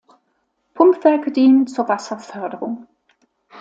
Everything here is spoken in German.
Pumpwerke dienen zur Wasserförderung.